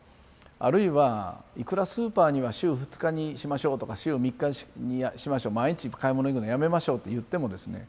あるいはいくらスーパーには週２日にしましょうとか週３日にしましょう毎日買い物行くのやめましょうといってもですね